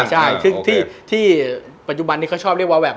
ใช่ซึ่งที่ปัจจุบันนี้เขาชอบเรียกว่าแบบ